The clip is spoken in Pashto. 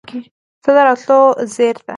ستا د راتلو زیري ته